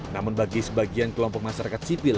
namun bagi sebagian kelompok masyarakat sipil